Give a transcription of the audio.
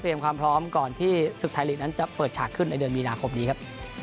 ความพร้อมก่อนที่ศึกไทยลีกนั้นจะเปิดฉากขึ้นในเดือนมีนาคมนี้ครับ